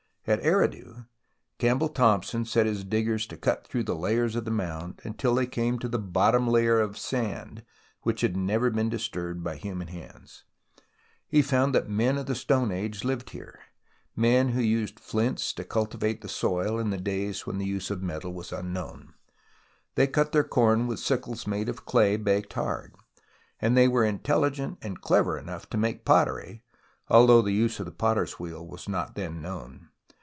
At Eridu, Campbell Thomson set his diggers to cut through the layers of the mound, until they came to the bottom layer of sand, which had never been THE ROMANCE OF EXCAVATION 153 disturbed by human hands. He found that men of the Stone Age hved here, men who used flints to cultivate the soil in the days when the use of metal was unknown. They cut their corn with sickles made of clay baked hard, and they were intelligent and clever enough to make pottery, although the use of the potter's wheel was not then known.